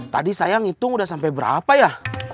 tadi saya ngitung udah sampai berapa ya